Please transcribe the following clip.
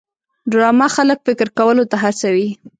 ډرامه خلک فکر کولو ته هڅوي